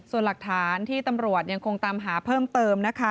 ส่วนหลักฐานที่ตำรวจยังคงตามหาเพิ่มเติมนะคะ